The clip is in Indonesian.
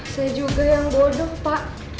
saya juga yang bodoh pak